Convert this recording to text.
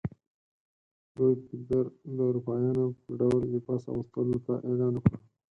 لوی پطر د اروپایانو په ډول لباس اغوستلو ته اعلان وکړ.